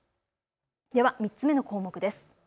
では３つ目の項目です。